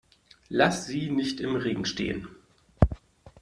Lass sie nicht im Regen stehen!